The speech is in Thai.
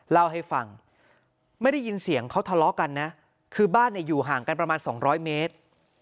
เล่าให้ฟังไม่ได้ยินเสียงเขาทะเลาะกันนะคือบ้านอยู่ห่างกันประมาณ๒๐๐เมตร